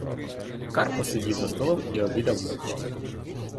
Карпо сидів за столом і обідав мовчки.